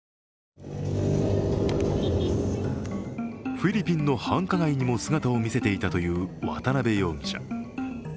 フィリピンの繁華街にも姿を見せていたという渡辺容疑者。